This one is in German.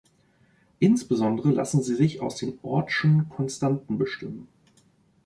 Insbesondere lassen sie sich aus den oortschen Konstanten bestimmen.